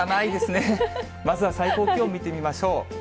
まずは最高気温見てみましょう。